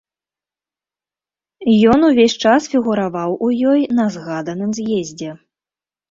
Ён увесь час фігураваў у ёй на згаданым з'ездзе.